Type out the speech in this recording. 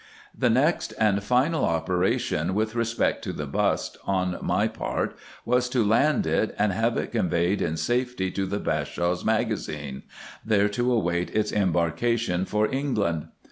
The next and final operation with respect to the bust, on my part, was to land it, and have it conveyed in safety to the Bashaw's magazine, there to await its embarkation for England.